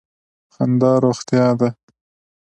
خندا روغتیا ده.